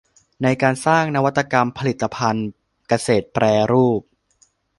ในการสร้างนวัตกรรมผลิตภัณฑ์เกษตรแปรรูป